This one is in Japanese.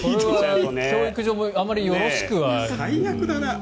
教育上あまりよろしくは。